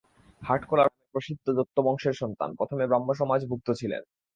হাটখোলার প্রসিদ্ধ দত্তবংশের সন্তান, প্রথমে ব্রাহ্মসমাজভুক্ত ছিলেন।